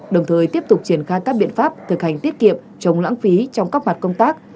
đồng thời tiếp tục triển khai các biện pháp thực hành tiết kiệm chống lãng phí trong các mặt công tác